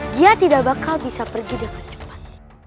dia tidak bakal bisa pergi dengan cepat